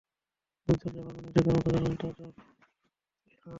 উজ্জ্বল চোখ আগুনের শিখার মত জ্বলন্ত চোখ অন্ধকারেও যেন আলো ছড়াচ্ছে।